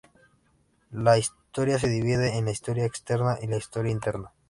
La historia se divide en la historia externa y la historia interna.